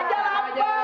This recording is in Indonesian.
gajah lapa bijang dulu